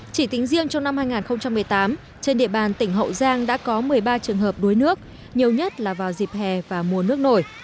chỉ tính riêng trong năm hai nghìn một mươi tám trên địa bàn tỉnh hậu giang đã có một mươi ba trường hợp đuối nước nhiều nhất là vào dịp hè và mùa nước nổi